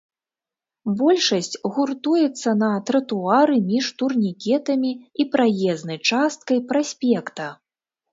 Большасць гуртуецца на тратуары між турнікетамі і праезнай часткай праспекта.